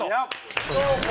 そうか。